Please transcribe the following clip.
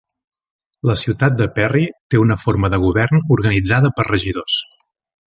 La ciutat de Perry té una forma de govern organitzada per regidors.